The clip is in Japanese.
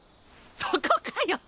そこかよ！